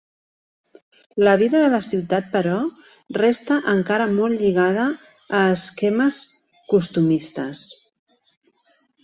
La vida de la ciutat, però, resta encara molt lligada a esquemes costumistes.